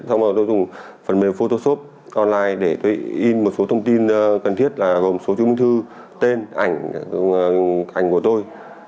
xong rồi tôi dùng phần mềm photoshop online để tôi in một số thông tin cần thiết là gồm số chứng ung thư tên ảnh của tôi